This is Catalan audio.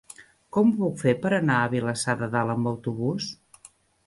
Com ho puc fer per anar a Vilassar de Dalt amb autobús?